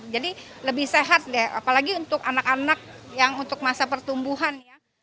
jadi lebih sehat ya apalagi untuk anak anak yang untuk masa pertumbuhan